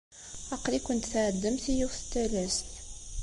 Aql-ikent tɛeddamt i yiwet n talast.